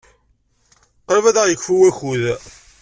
Qrib ad aɣ-yekfu wakud.